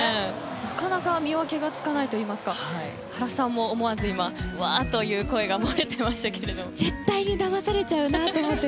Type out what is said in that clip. なかなか見分けがつかないといいますか原さんも思わずうわーっという声が絶対にだまされちゃうなと思って。